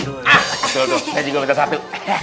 tuh tuh tadi gua minta satu